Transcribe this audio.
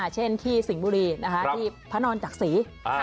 เช่นที่สิงห์บุรีที่พระนอนจักษี